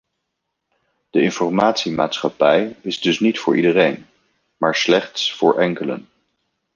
De informatiemaatschappij is dus niet voor iedereen, maar slechts voor enkelen.